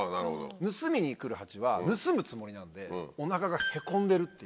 盗みに来るハチは盗むつもりなのでおなかがへこんでるっていう。